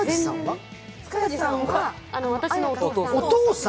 塚地さんは私のお父さん。